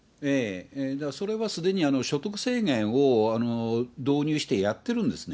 だからそれはすでに所得制限を導入してやってるんですね。